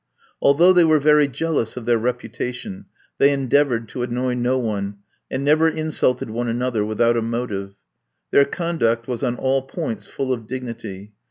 Although they were very jealous of their reputation, they endeavoured to annoy no one, and never insulted one another without a motive. Their conduct was on all points full of dignity.